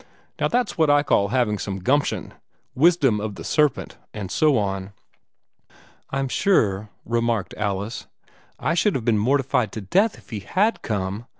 Now, that's what I call having some gumption wisdom of the serpent, and so on." "I'm sure," remarked Alice, "I should have been mortified to death if he had come.